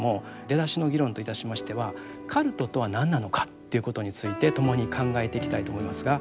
出だしの議論といたしましてはカルトとは何なのかということについて共に考えていきたいと思いますが。